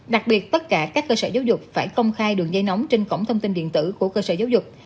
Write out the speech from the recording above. đặc biệt tất cả các cơ sở giáo dục phải công khai đường dây nóng trên cổng thông tin điện tử của cơ sở giáo dục